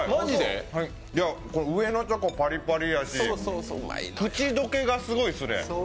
上のチョコ、パリパリやし、口どけがすごいですね。